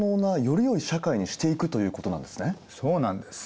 そうなんです。